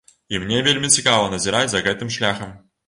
І мне вельмі цікава назіраць за гэтым шляхам!